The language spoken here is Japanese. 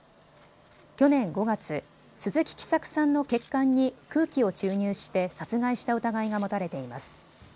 去年５月、鈴木喜作さんの血管に空気を注入して殺害した疑いが持たれています。